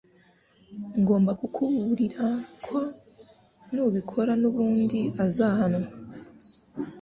Ngomba kukuburira ko nubikora nubundi uzahanwa.